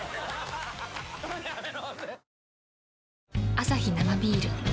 アサヒ生ビール